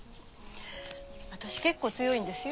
私結構強いんですよ。